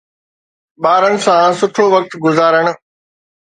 ٻارن سان سٺو وقت گذارڻ